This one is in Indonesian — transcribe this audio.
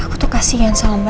aku tuh kasihan sama mbak andin